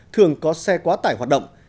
thường có xe quá tải hoạt động